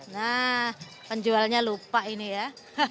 nah penjualnya lupa ini ya